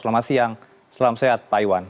selamat siang selamat sehat pak iwan